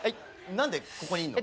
何でここにいんの？